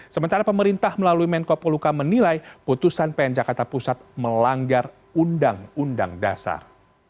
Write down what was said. sementara pemerintah melalui menko poluka menilai putusan pn jakarta pusat melanggar undang undang dasar